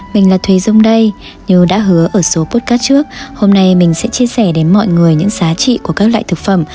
mình là thùy dung đây như đã hứa ở số podcast trước hôm nay mình sẽ chia sẻ đến mọi người những giá trị của các loại thực phẩm